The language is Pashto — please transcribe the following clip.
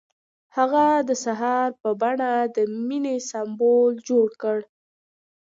هغه د سهار په بڼه د مینې سمبول جوړ کړ.